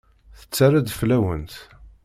Tetter-d fell-awent.